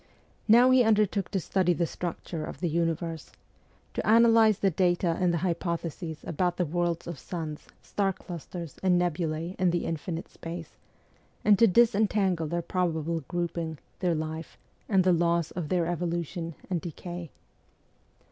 Now he undertook to study the structure of the universe : to analyze the data and the hypotheses about the worlds of suns, star clusters, and nebulae in the infinite space, and to disentangle their probable grouping, their life, and the laws of their evolution and decay.